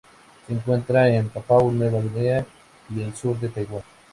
Se encuentra en Papúa Nueva Guinea y el sur de Taiwán.